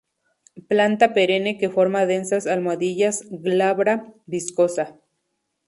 Planta perenne que forma densas almohadillas, glabra, viscosa.